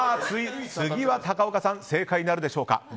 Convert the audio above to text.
次は高岡さん正解なるでしょうか。